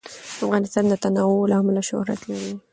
افغانستان د تنوع له امله شهرت لري.